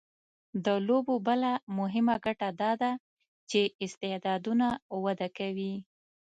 د لوبو بله مهمه ګټه دا ده چې استعدادونه وده کوي.